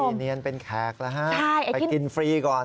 นี่เนียนเป็นแขกแล้วฮะไปกินฟรีก่อน